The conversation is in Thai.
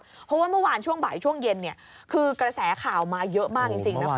เพราะว่าเมื่อวานช่วงบ่ายช่วงเย็นคือกระแสข่าวมาเยอะมากจริงนะคุณ